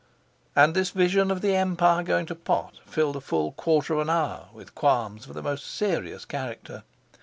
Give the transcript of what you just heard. And this vision of the Empire going to pot filled a full quarter of an hour with qualms of the most serious character.